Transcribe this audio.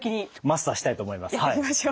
マスターしたいと思います。